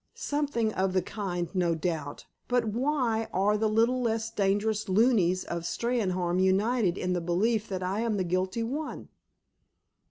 "Something of the kind, no doubt. But why are the little less dangerous loonies of Steynholme united in the belief that I am the guilty one?"